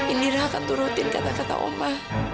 inilah akan turutin kata kata oma